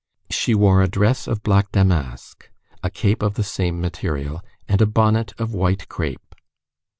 She wore a dress of black damask, a cape of the same material, and a bonnet of white crape.